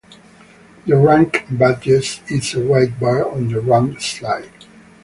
The rank badge is a white bar on the rank slide.